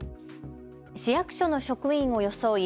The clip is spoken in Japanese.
市役所の職員を装い